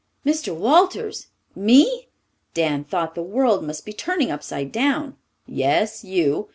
"Mr. Walters! Me!" Dan thought the world must be turning upside down. "Yes, you.